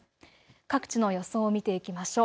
各地の予想を見ていきましょう。